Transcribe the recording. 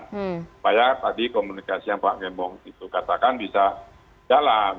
supaya tadi komunikasi yang pak gembong itu katakan bisa jalan